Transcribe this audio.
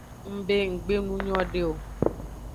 Ng be nggbe nu nyode o.